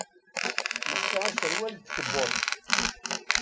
Yelsa aserwal d tkebbuḍt.